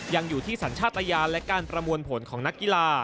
ยังอยู่ที่สัญชาติยานและการประมวลผลของนักกีฬา